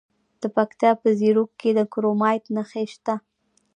د پکتیکا په زیروک کې د کرومایټ نښې شته.